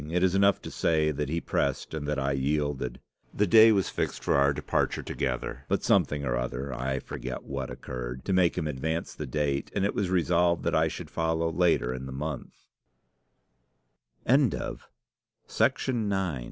It is enough to say that he pressed and that I yielded. The day was fixed for our departure together; but something or other, I forget what, occurred, to make him advance the date, and it was resolved that I should follow